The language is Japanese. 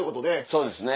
そうですね